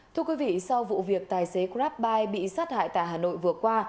thưa quý vị sau vụ việc tài xế grabbuy bị sát hại tại hà nội vừa qua